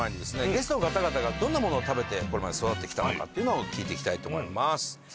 ゲストの方々がどんなものを食べてこれまで育ってきたのかっていうのを聞いていきたいと思います。